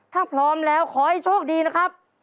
ถ้าพร้อมแล้วขอให้โชคดีนะครับ